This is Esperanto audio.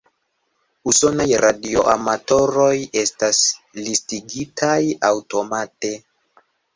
Usonaj radioamatoroj estas listigitaj aŭtomate.